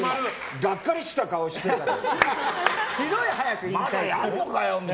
がっかりした顔してなかった？